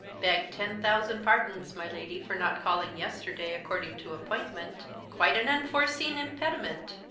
"Beg ten thousand pardons, my Lady, for not calling yesterday, according to appointment quite an unforeseen impediment.